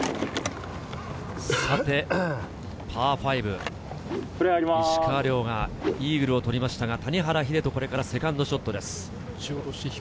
パー５、石川遼がイーグルを取りましたが、谷原秀人はこれからセカンドショットです。